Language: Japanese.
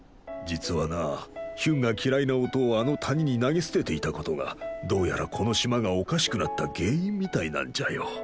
実はなヒュンが嫌いな音をあの谷に投げ捨てていた事がどうやらこの島がおかしくなった原因みたいなんじゃよ。